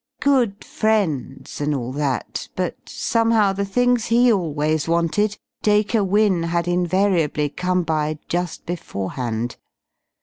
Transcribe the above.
Good friends and all that, but somehow the things he always wanted, Dacre Wynne had invariably come by just beforehand.